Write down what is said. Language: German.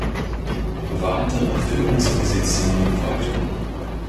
Weitere Führungspositionen folgten.